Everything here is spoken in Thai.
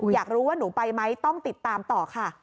อยากรู้ว่าหนูไปไหมต้องติดตามต่อค่ะ